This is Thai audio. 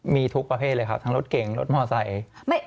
มีทุกประเภทเลยครับทั้งรถเก่งรถมอไซค์